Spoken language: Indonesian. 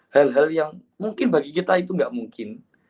hal hal yang mungkin bagi kita itu nggak mungkin